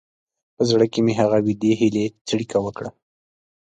په زړه کې مې هغه وېډې هیلې څړیکه وکړه.